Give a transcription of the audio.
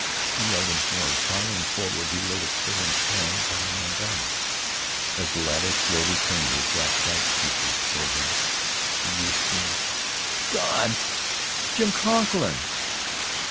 He yelled in horror. Tottering forward he laid a quivering hand upon the man's arm. As the latter slowly turned his waxlike features toward him, the youth screamed: "Gawd! Jim Conklin!"